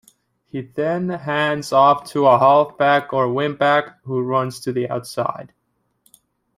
He then hands off to a halfback or wingback, who runs to the outside.